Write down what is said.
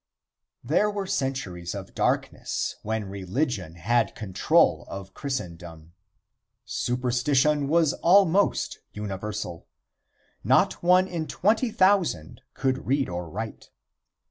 IX. There were centuries of darkness when religion had control of Christendom. Superstition was almost universal. Not one in twenty thousand could read or write.